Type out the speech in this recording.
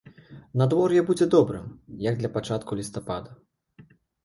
Надвор'е будзе добрым, як для пачатку лістапада.